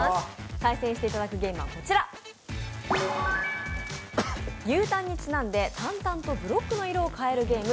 対戦していただくゲームはこちら、牛タンにちなんで淡々とブロックの色を変えるゲーム